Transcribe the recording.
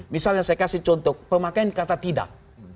misalnya saya kasih contoh pemakaian kata tidak